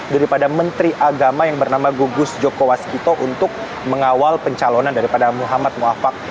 daripada menteri agama yang bernama gugus joko waskito untuk mengawal pencalonan daripada muhammad ⁇ wafak